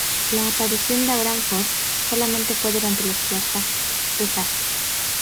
La aparición de Abraham Ford solamente fue durante los flashbacks de Sasha.